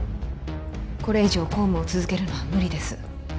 これ以上公務を続けるのは無理です